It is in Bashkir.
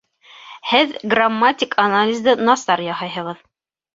Һеҙ грамматик анализды насар яһайһығыҙ